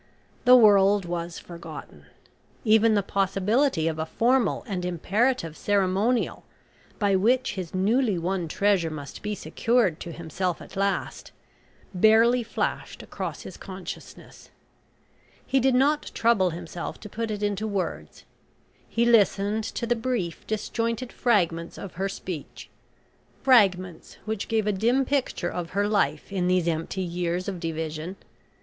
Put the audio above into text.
The world was forgotten. Even the possibility of a formal and imperative ceremonial by which his newly won treasure must be secured to himself at last, barely flashed across his consciousness. He did not trouble himself to put it into words. He listened to the brief disjointed fragments of her speech fragments which gave a dim picture of her life in these empty years of division.